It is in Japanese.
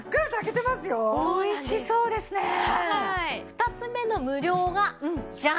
２つ目の無料はジャン！